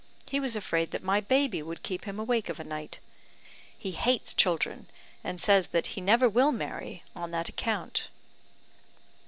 He was afraid that my baby would keep him awake of a night. He hates children, and says that he never will marry on that account."